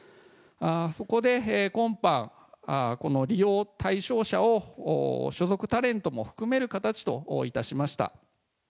そこで今般、この利用対象者を所属タレントも含める形といたしました。